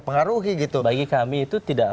pengaruhi gitu bagi kami itu tidak